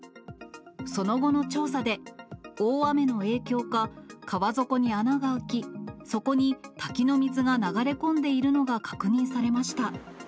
その後の調査で、大雨の影響か、川底に穴が開き、そこに滝の水が流れ込んでいるのが確認されました。